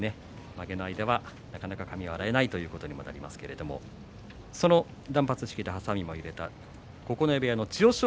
まげの間は、なかなか髪を洗えないということになりますけれどその断髪式ではさみも入れた九重部屋の千代翔